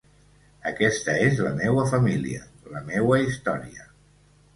Aquesta és la meua família, la meua història.